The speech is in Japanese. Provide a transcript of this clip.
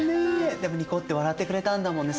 でもニコッて笑ってくれたんだもんね